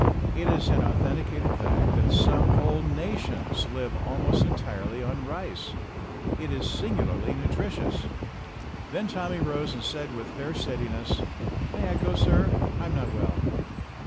It is an authenticated fact that some whole nations live almost entirely on rice. It is singularly nutritious. Then Tommy rose and said with fair steadiness : "May I go, sir? I'm not well."